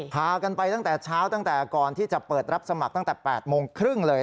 พากันไปตั้งแต่เช้าตั้งแต่ก่อนที่จะเปิดรับสมัครตั้งแต่๘โมงครึ่งเลย